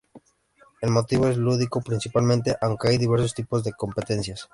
El motivo es lúdico principalmente, aunque hay diversos tipos de competencias.